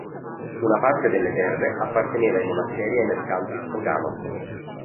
Una parte delle terre apparteneva ai monasteri e ai mercanti Stroganov.